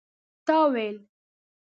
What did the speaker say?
تا ويل